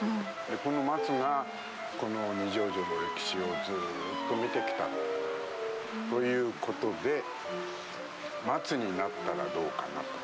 この松がこの二条城の歴史をずっと見てきたということで松になったらどうかなと。